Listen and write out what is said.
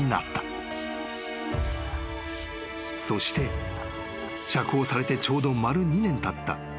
［そして釈放されてちょうど丸２年たった］